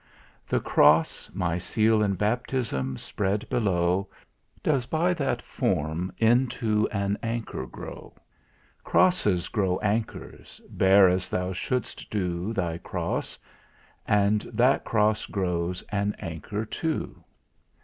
The Cross, my Seal in Baptism, spread below, Does by that form into an Anchor grow. Crosses grow Anchors, bear as thou shouldst do Thy Cross, and that Cross grows an Anchor too.